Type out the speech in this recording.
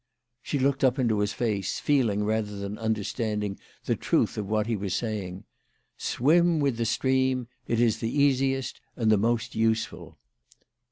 She looked up into his face, feeling rather than understanding the truth of what he was saying. " Swim with the stream. It is the easiest and the most useful."